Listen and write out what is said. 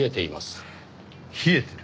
冷えてる？